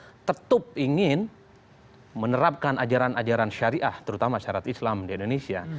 jadi kalau ada kelompok kelompok islamis yang tetap ingin menerapkan ajaran ajaran syariah terutama syarat islam di indonesia